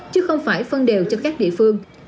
chứ không phải phân đều cho các địa phương